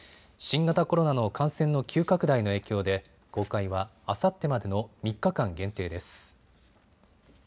新型コロナの感染の急拡大の影響で公開はあさってまでの３日間限定です。